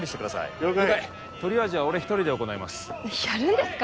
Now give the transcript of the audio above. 了解トリアージは俺一人で行いますやるんですか？